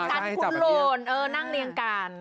สันคุณโลนนั่งเรียงกัน